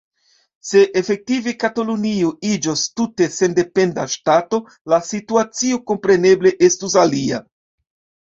Se efektive Katalunio iĝos tute sendependa ŝtato, la situacio kompreneble estus alia.